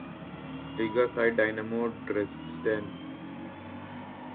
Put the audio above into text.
Liga side Dynamo Dresden.